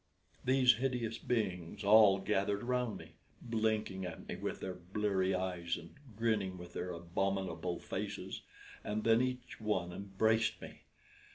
These hideous beings all gathered around me, blinking at me with their bleary eyes and grinning with their abominable faces, and then each one embraced me.